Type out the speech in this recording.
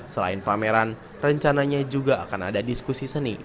selain pameran rencananya juga akan ada diskusi seni